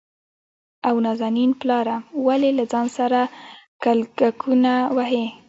او نازنين پلاره ! ولې له ځان سره کلګکونه وهې؟